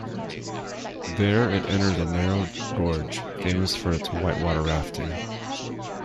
There it enters a narrow gorge, famous for its white water rafting.